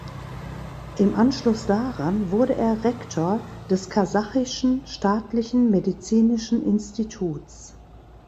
Im Anschluss daran wurde er Rektor des Kasachischen Staatlichen Medizinischen Instituts.